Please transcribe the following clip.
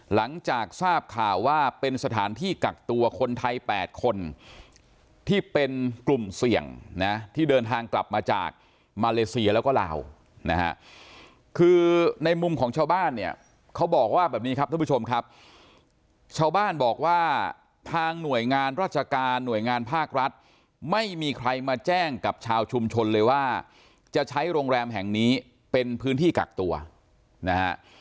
หลังจากทราบข่าวว่าเป็นสถานที่กักตัวคนไทย๘คนที่เป็นกลุ่มเสี่ยงนะที่เดินทางกลับมาจากมาเลเซียแล้วก็ลาวนะฮะคือในมุมของชาวบ้านเนี่ยเขาบอกว่าแบบนี้ครับท่านผู้ชมครับชาวบ้านบอกว่าทางหน่วยงานราชการหน่วยงานภาครัฐไม่มีใครมาแจ้งกับชาวชุมชนเลยว่าจะใช้โรงแรมแห่งนี้เป็นพื้นที่กักตัวนะฮะ